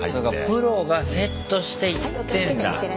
プロがセットして行ってんだ。